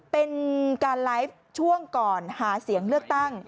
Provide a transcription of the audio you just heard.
เป็นการไลฟ์ช่วงก่อนหาเสียงเลือกตั้ง